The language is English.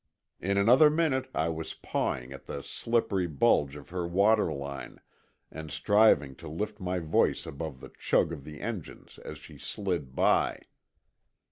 In another minute I was pawing at the slippery bulge of her water line, and striving to lift my voice above the chug of the engines as she slid by.